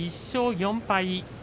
１勝４敗